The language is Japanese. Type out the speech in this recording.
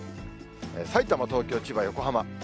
さいたま、東京、千葉、横浜。